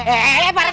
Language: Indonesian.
eh pak rt pak rt